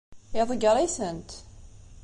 Iḍeggeṛ-itent.